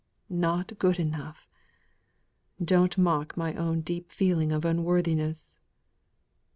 "Not good enough! Don't mock my own deep feeling of unworthiness."